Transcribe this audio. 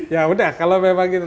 ya udah kalau memang gitu